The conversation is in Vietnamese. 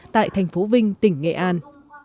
tại thành phố vinh tỉnh nghệ an